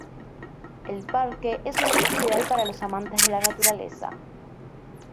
El parque es un sitio ideal para los amantes de la naturaleza.